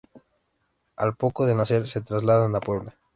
Al poco de nacer se trasladan a Puebla.